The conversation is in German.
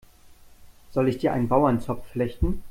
Soll ich dir einen Bauernzopf flechten?